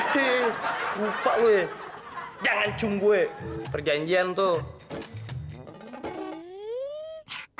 lupa lu ya jangan cium gue perjanjian tuh